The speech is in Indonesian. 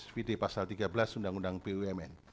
svt pasal tiga belas undang undang bumn